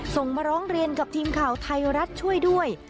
ส่งมาร้องเรียนกับทีมข่าวไทยรัฐช่วยด้วย